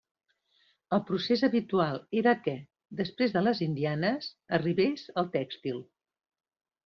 El procés habitual era que, després de les indianes, arribés el tèxtil.